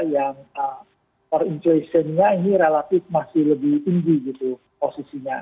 yang core inflationnya ini relatif masih lebih tinggi gitu posisinya